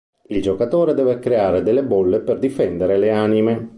Il giocatore deve creare delle bolle per difendere le anime.